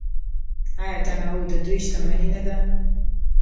آیا تنوع د دوی شتمني نه ده؟